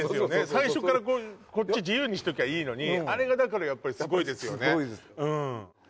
最初からこっち自由にしときゃいいのにあれがだからやっぱりすごいですよね